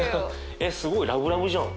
えっすごいラブラブじゃん。